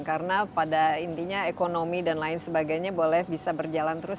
karena pada intinya ekonomi dan lain sebagainya boleh bisa berjalan terus